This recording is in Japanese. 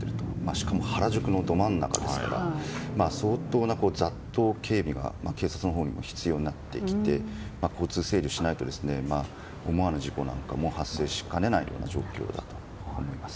しかも原宿のど真ん中ですから相当な雑踏警備が警察のほうにも必要になってきて交通整理をしないと思わぬ事故なんかも発生しかねない状況だと思います。